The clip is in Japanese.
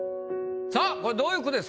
さぁこれどういう句ですか？